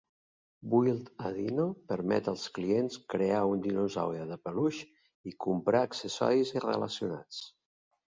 Build-A-Dino permet als clients crear un dinosaure de peluix i comprar accessoris relacionats.